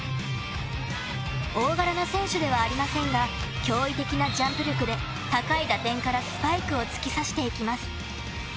大柄な選手ではありませんが驚異的なジャンプ力で高い打点からスパイクを突き刺していきます。